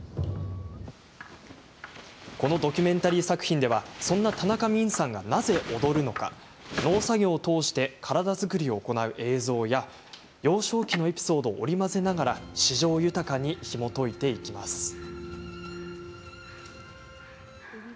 このドキュメンタリー作品ではそんな田中泯さんがなぜ踊るのか農作業を通して体作りを行う映像や幼少期のエピソードを織り交ぜながら詩情豊かにひもといていきます。